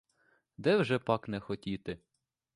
Де вже пак не хотіти!